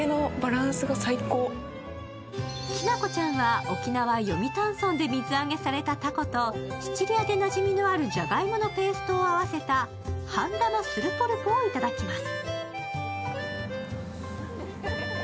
きなこちゃんは沖縄で水揚げされたたことシチリアでなじみのあるじゃがいものペーストを合わせたハンダマ・スル・ポルポをいただきます。